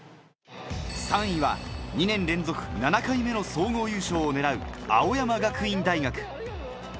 ３位は２年連続７回目の総合優勝を狙う、青山学院大学。